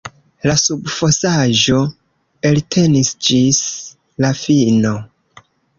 La subfosaĵo eltenis ĝis la fino.